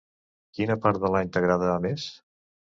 Quina part de l'any t'agrada més?